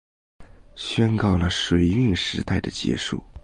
宣告了水运时代的结束